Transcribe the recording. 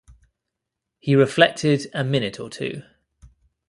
He reflected a minute or two.